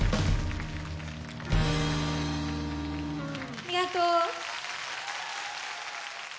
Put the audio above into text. ありがとう！